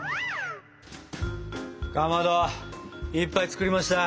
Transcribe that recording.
かまどいっぱい作りました。